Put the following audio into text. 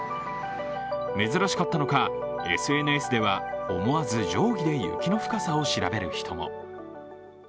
珍しかったのか、ＳＮＳでは思わず定規で雪の深さを調べる人も。